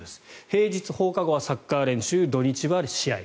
平日放課後はサッカー練習土日は試合